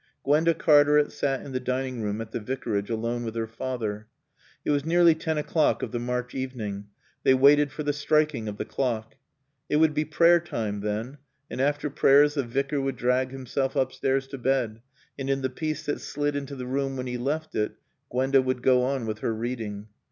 Gwenda Cartaret sat in the dining room at the Vicarage alone with her father. It was nearly ten o'clock of the March evening. They waited for the striking of the clock. It would be prayer time then, and after prayers the Vicar would drag himself upstairs to bed, and in the peace that slid into the room when he left it Gwenda would go on with her reading.